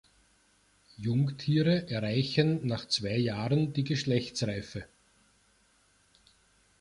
Jungtiere erreichen nach zwei Jahren die Geschlechtsreife.